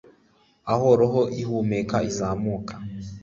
Aho roho ihumeka izamuka